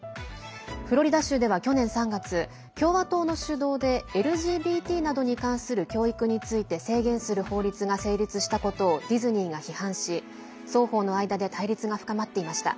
フロリダ州では去年３月共和党の主導でＬＧＢＴなどに関する教育について制限する法律が成立したことをディズニーが批判し双方の間で対立が深まっていました。